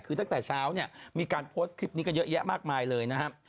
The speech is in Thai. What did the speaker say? คือตั้งแต่เช้าเนี่ยมีการโพสต์คลิปนี้กันเยอะแยะมากมายเลยนะครับ